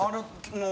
もう。